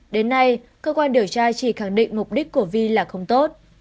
đến nay cơ quan điều tra chỉ khẳng định mục đích của vi là không tốt